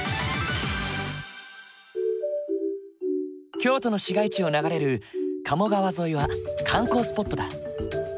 京都の市街地を流れる鴨川沿いは観光スポットだ。